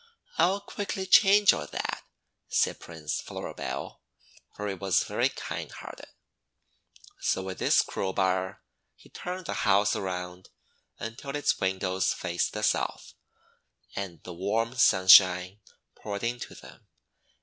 "I'll quickly change all that," said Prince Floribel, for he was very kind hearted. So with his crowbar he turned the House around until its windows faced the South and the warm sunshine poured into them.